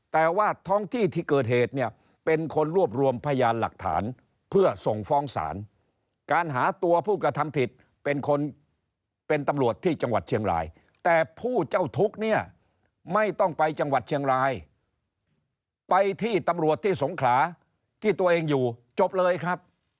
แต่ว่าท้องที่ที่เกิดเหตุเนี่ยเป็นคนรวบรวมพยานหลักฐานเพื่อส่งฟ้องศาลการหาตัวผู้กระทำผิดเป็นคนเป็นตำรวจที่จังหวัดเชียงรายแต่ผู้เจ้าทุกข์เนี่ยไม่ต้องไปจังหวัดเชียงรายไปที่ตำรวจที่สงขลาที่ตัวเองอยู่จบเลยครับ